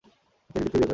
তিনি এডিথকে বিয়ে করেন।